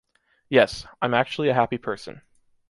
Yes, I’m actually a happy person.